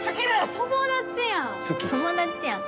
友達やん。